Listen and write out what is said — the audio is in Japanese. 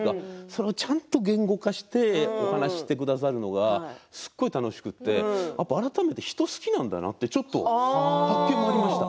それを言語化してお話ししてくださるのはすごく楽しくて改めて人が好きなんだなとちょっと発見もありました。